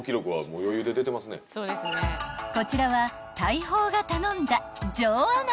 ［こちらは大砲が頼んだ］